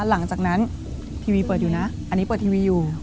หลังจากนั้นทีวีเปิดอยู่นะอันนี้เปิดทีวีอยู่